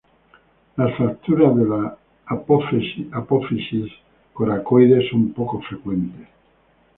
Las fracturas de la apófisis coracoides son poco frecuentes.